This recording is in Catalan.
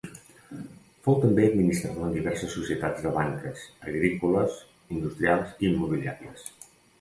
Fou també administrador en diverses societats de banques, agrícoles, industrials i immobiliàries.